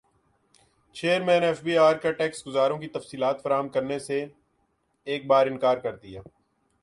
chairman F B R کا tax گزاروں کی تفصیلات فراہم کرنے سے ایک بارانکار کردیا